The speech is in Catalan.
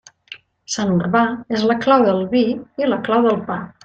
Sant Urbà és la clau del vi i la clau del pa.